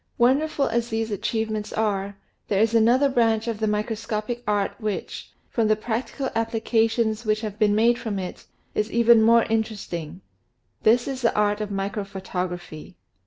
Wonderful as these achievements are, there is another branch of the microscopic art which, from the practical applications that have been made of it, is even more inter esting. This is the art of microphotography.